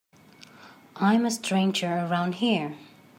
I'm the stranger around here.